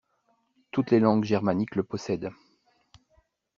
Toutes les langues germaniques le possèdent.